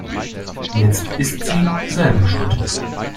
Jetzt ist sie selber schuld.